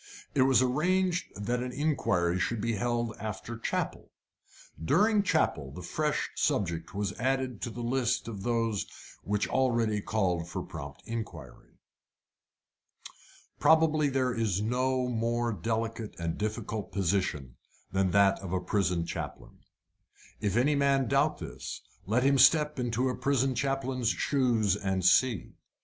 It was arranged that an inquiry should be held after chapel. During chapel a fresh subject was added to the list of those which already called for prompt inquiry. Probably there is no more delicate and difficult position than that of a prison chaplain. If any man doubt this, let him step into a prison chaplain's shoes and see.